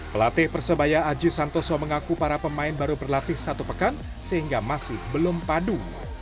pelatih persebaya aji santoso mengaku para pemain baru berlatih satu pekan sehingga masih belum padu